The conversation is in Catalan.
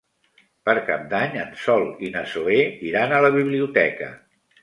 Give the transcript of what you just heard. Per Cap d'Any en Sol i na Zoè iran a la biblioteca.